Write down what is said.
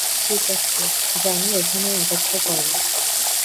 ঠিক আছে, জানু, এখানেই অপেক্ষা করো।